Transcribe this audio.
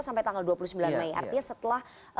sampai tanggal dua puluh sembilan mei artinya setelah